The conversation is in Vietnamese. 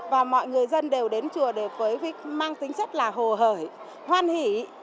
và mọi người dân đều đến chùa đều với viết mang tính chất là hồ hởi hoan hỷ